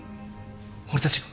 俺たちが？